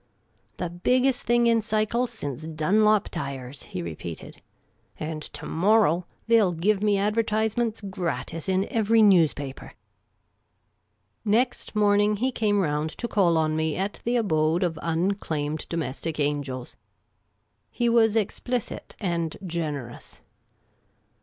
" The biggest thing in cycles since Dunlop tires," he repeated. " And to morrow, they '11 give me adver/zVments ^^ratis in every newspaper! " Next morning, he came round to call on me at the Abode of Unclaimed Domestic Angels. He was explicit and generous.